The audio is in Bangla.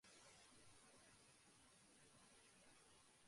তবে কারাগার থেকে যেভাবে পাঠানো হয়েছে, সেভাবেই আদালতে হাজির করা হয়েছে।